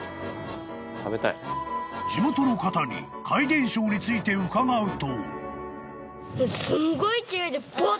［地元の方に怪現象について伺うと］